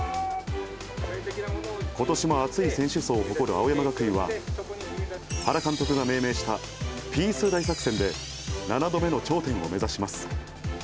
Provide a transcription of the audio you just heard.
ことしも厚い選手層を誇る青山学院は、原監督が命名したピース大作戦で、７度目の頂点を目指します。